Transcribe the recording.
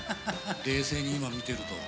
冷静に今見てると。